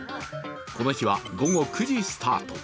この日は午後９時スタート。